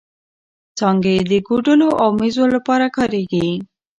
څانګې یې د کوډلو او مېزو لپاره کارېږي.